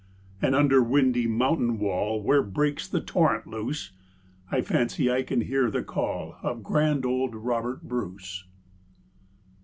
And under windy mountain wall, Where breaks the torrent loose, I fancy I can hear the call Of grand old Robert Bruce.